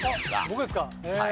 僕ですか。